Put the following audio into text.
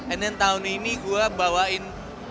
and then tahun ini gue bawain